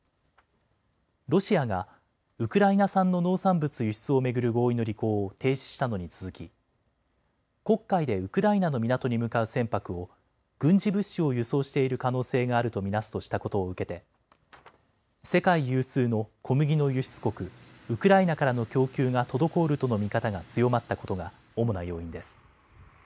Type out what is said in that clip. ロシアがウクライナ産の農産物輸出を巡る合意の履行を停止したのに続き黒海でウクライナの港に向かう船舶を軍事物資を輸送している可能性があると見なすとしたことを受けて世界有数の小麦の輸出国、ウクライナからの供給が滞るとの見方が強まったことが主な要因です。